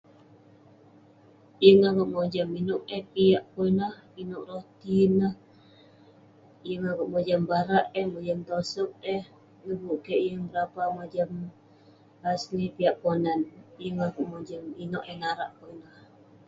yeng akouk mojam inouk eh piak kok ineh, inouk roti neh, yeng akouk mojam barak eh, mojam tosog eh, du'kuk kik yeng berapa mojam asli piak ponan, yeng akouk mojam inouk eh narak kok ineh.